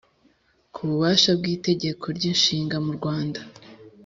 kububasha bw itegeko ryinjiza mu Rwanda